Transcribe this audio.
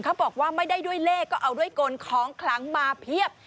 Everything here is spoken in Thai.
เขาบอกว่าไม่ได้ด้วยเลขก็เอาด้วยกลของคลังมาเพียบ